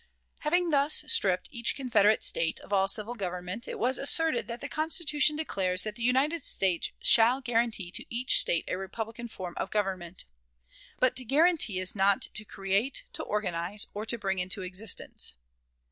Having thus stripped each Confederate State of all civil government, it was asserted that the Constitution declares that the United States shall guarantee to each State a republican form of government. But to guarantee is not to create, to organize, or to bring into existence.